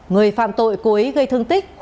người phạm tội cô ấy gây thương tích